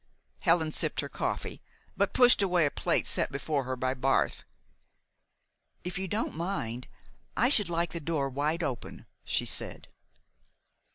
Helen sipped her coffee, but pushed away a plate set before her by Barth. "If you don't mind, I should like the door wide open," she said.